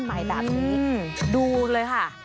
หมายดับนี้ดูเลยค่ะ